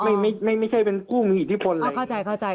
อ๋ออ๋อไม่ไม่ไม่ไม่ใช่เป็นผู้มีอิทธิพลอะไรอย่างนี้อ๋อเข้าใจเข้าใจ